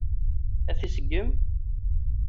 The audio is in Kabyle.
Ad t-iseggem?